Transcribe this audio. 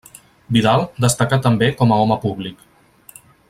Vidal destacà també com a home públic.